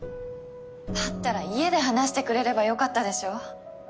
だったら家で話してくれれば良かったでしょ？